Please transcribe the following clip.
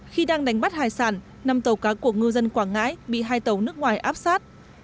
khi đang đánh bắt hải sản năm tàu cá của ngư dân quảng ngãi bị hai tàu nước ngoài áp sát